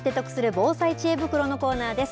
防災知恵袋のコーナーです。